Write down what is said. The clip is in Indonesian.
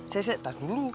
sese tahan dulu